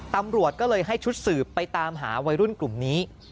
ตำรวจก็เลยให้ชุดสืบไปตามหาวัยรุ่นกลุ่มนี้